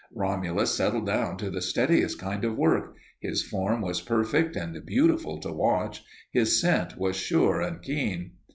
Romulus settled down to the steadiest kind of work; his form was perfect and beautiful to watch; his scent was sure and keen.